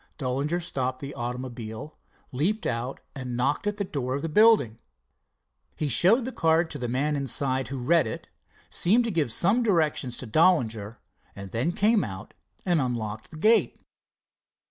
Dollinger stopped the automobile, leaped out and knocked at the door of the building. He showed the card to the man inside who read it, seemed to give some directions to Dollinger, and then came out and unlocked the gate.